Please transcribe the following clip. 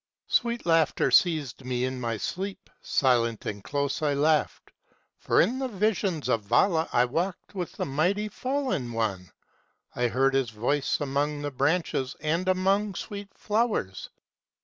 250 Sweet laughter seized me in my sleep, silent and close I laughed, â For in the visions of Vala I walked with the Mighty Fallen Oneâ I heard his voice among the branches and among sweet flowers.